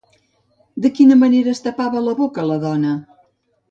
De quina manera es tapava la boca la dona?